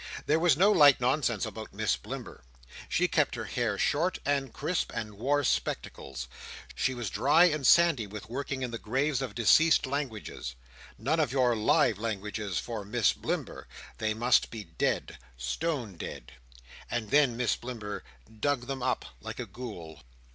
There was no light nonsense about Miss Blimber. She kept her hair short and crisp, and wore spectacles. She was dry and sandy with working in the graves of deceased languages. None of your live languages for Miss Blimber. They must be dead—stone dead—and then Miss Blimber dug them up like a Ghoul.